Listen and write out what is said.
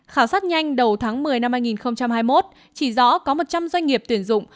khảo sát nhanh đầu tháng một mươi năm hai nghìn hai mươi một chỉ rõ có một trăm linh doanh nghiệp tuyển dụng